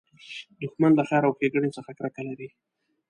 دښمن له خیر او ښېګڼې څخه کرکه لري